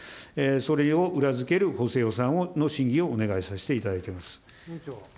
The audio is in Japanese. それを裏付ける補正予算の審議をお願いさせていただいています。